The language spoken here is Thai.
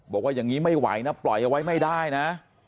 บอกว่าอย่างนี้ไม่ไหวนะปล่อยเอาไว้ไม่ได้นะ